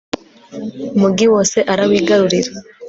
umugi wose arawigarurira